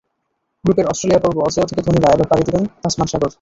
গ্রুপের অস্ট্রেলিয়া পর্ব অজেয় থেকে ধোনিরা এবার পাড়ি দেবেন তাসমান সাগর।